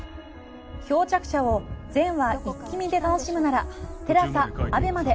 『漂着者』を全話イッキ見で楽しむなら ＴＥＬＡＳＡＡＢＥＭＡ で